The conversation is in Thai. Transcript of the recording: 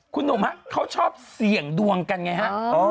คุณหนุ่มฮะเขาชอบเสี่ยงดวงกันไงฮะ